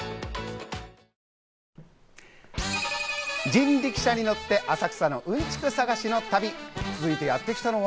人力車に乗って、浅草のうんちく探しの旅。